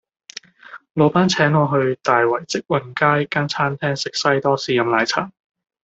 老闆請我去大圍積運街間餐廳食西多士飲奶茶